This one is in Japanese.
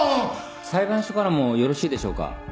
裁判所からもよろしいでしょうか。